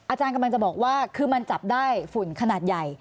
อาจารย์กำลังจะบอกว่าคือมันจับได้ฝุ่นขนาดใหญ่